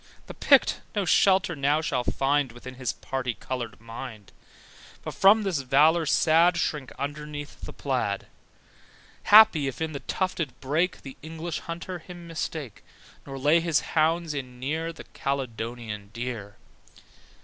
The Pict no shelter now whall find Within his parti coloured mind, But from this valour sad Shrink underneath the plaid: Happy, if in the tufted brake The English hunter him mistake, Nor lay his hounds in near The Caledonian deer.